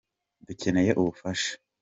Dukeneye ubufasha.